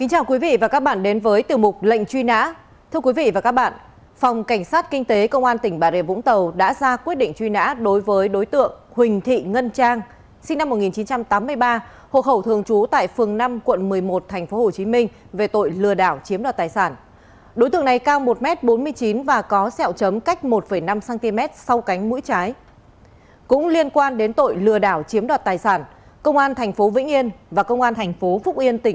hãy đăng ký kênh để ủng hộ kênh của chúng mình nhé